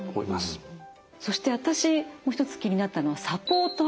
そして私もう一つ気になったのは「サポーター」